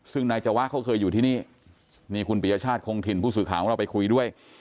ซึ่งนายจวะเขาเคยอยู่ที่นี่นี่คุณปริยชาติคงถิ่นผู้สื่อข่าวของเราไปคุยด้วย